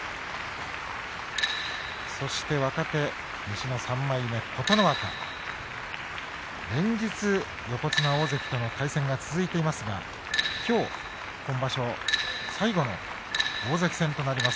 そして若手西の３枚目琴ノ若連日、横綱大関との対戦が続いていますがきょう今場所最後の大関戦となります。